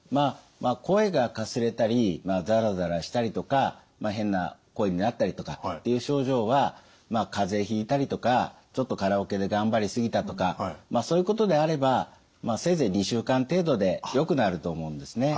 声がかすれたりザラザラしたりとか変な声になったりとかっていう症状はかぜひいたりとかちょっとカラオケで頑張り過ぎたとかまあそういうことであればせいぜい２週間程度でよくなると思うんですね。